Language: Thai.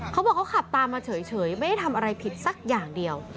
คัวบอกเขาขับตามมาเฉยไม่ได้ทำใงพิษสักอย่างเดี่ยว